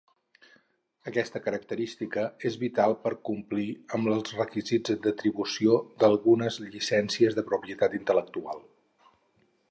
Aquesta característica és vital per complir amb els requisits d'atribució d'algunes llicències de propietat intel·lectual.